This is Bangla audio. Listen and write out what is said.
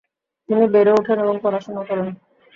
তিনি বেড়ে ওঠেন এবং পড়াশোনা করেন।